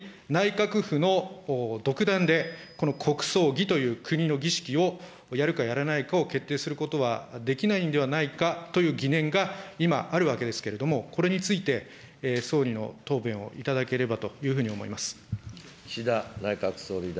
つまり、内閣府の独断で、この国葬儀という国の儀式をやるかやらないかを決定することはできないんではないかという疑念が今、あるわけですけれども、これについて、総理の答弁をいただければというふうに思います。